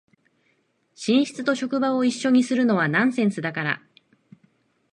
寝室と職場を一緒にするのはナンセンスだから